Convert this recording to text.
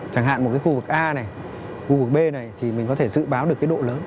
chẳng hạn một cái khu vực a này khu vực b này thì mình có thể dự báo được cái độ lớn